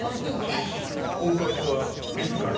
婚活はいつから？